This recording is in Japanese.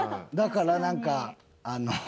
だからなんかあの。